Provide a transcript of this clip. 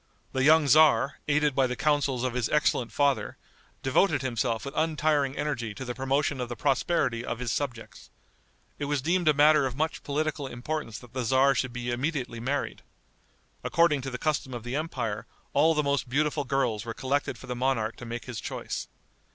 The young tzar, aided by the counsels of his excellent father, devoted himself with untiring energy to the promotion of the prosperity of his subjects. It was deemed a matter of much political importance that the tzar should be immediately married. According to the custom of the empire, all the most beautiful girls were collected for the monarch to make his choice.